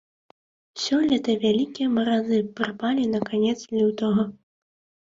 Сёлета вялікія маразы прыпалі на канец лютага.